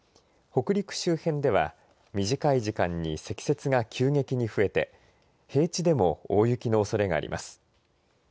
北陸周辺では短い時間に積雪が急激に増えて平地でも大雪のおそれがあります。